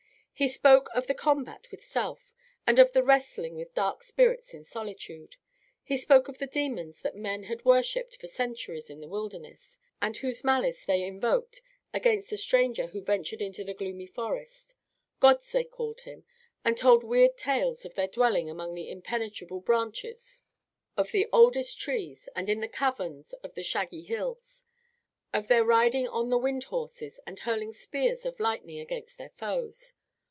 He spoke of the combat with self, and of the wrestling with dark spirits in solitude. He spoke of the demons that men had worshipped for centuries in the wilderness, and whose malice they invoked against the stranger who ventured into the gloomy forest. Gods, they called them, and told weird tales of their dwelling among the impenetrable branches of the oldest trees and in the caverns of the shaggy hills; of their riding on the wind horses and hurling spears of lightning against their foes.